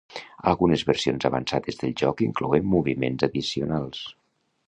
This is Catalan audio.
Algunes versions avançades del joc inclouen moviments addicionals.